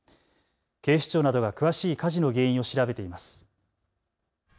警視庁などが詳しい火事の原因を調べています。